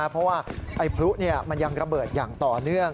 เพราะว่าพลุมันยังระเบิดอย่างต่อเนื่อง